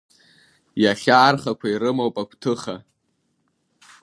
Иахьа архақәа ирымоуп агәҭыха…